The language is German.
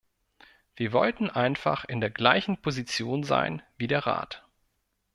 Wir wollten einfach in der gleichen Position sein wie der Rat.